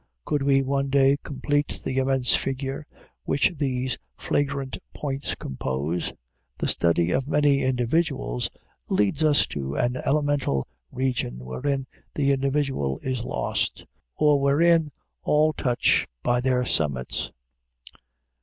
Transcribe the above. Could we one day complete the immense figure which these flagrant points compose! The study of many individuals leads us to an elemental region wherein the individual is lost, or wherein all touch by their summits.